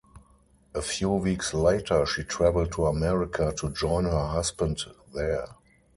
A few weeks later she traveled to America to join her husband there.